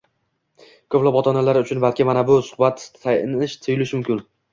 Ko‘plab ota-onalar uchun balki mana bu suhbat tanish tuyulishi mumkin: